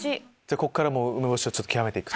こっから梅干しを極めていく？